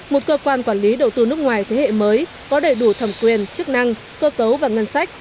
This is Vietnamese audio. một cơ quan quản lý đầu tư nước ngoài thế hệ mới có đầy đủ thẩm quyền chức năng cơ cấu và ngân sách